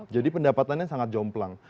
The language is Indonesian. jadi pendapatannya sangat jomplang